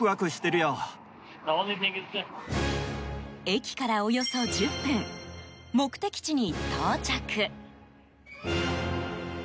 駅からおよそ１０分目的地に到着。